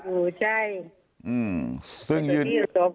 อื้มซึ่งยืน